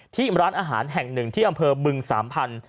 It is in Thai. ที่ร้านอาหารแห่งหนึ่งที่อำเภอบึงสามพันธุ